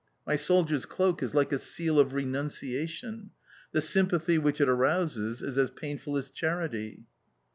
My soldier's cloak is like a seal of renunciation. The sympathy which it arouses is as painful as charity."